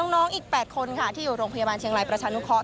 น้องอีก๘คนค่ะที่อยู่โรงพยาบาลเชียงรายประชานุเคราะ